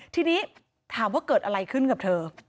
ทีนี้ถามว่าเกิดอะไรขึ้นกับเธอ